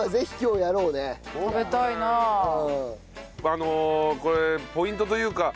あのこれポイントというか。